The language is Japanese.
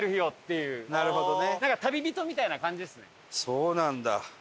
そうなんだ。